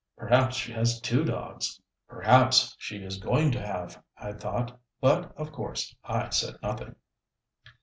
Perhaps she has two dogs." Perhaps she is going to have, I thought, but of course I said nothing.